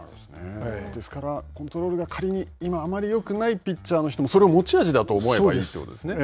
ですから、コントロールが仮に今あまりよくないピッチャーの人もそれを持ち味だと思えばいいといそうです。